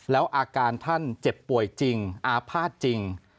แล้วอาการท่านเจ็บป่วยจริงอาภาษณ์จริง